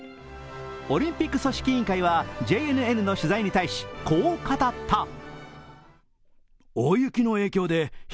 オリンピック組織委員会はＪＮＮの取材に対し、こう語った。